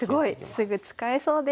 すぐ使えそうです。